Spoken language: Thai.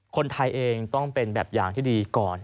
คนไทยเองต้องเป็นแบบอย่างที่ดีก่อน